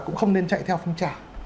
cũng không nên chạy theo phong trào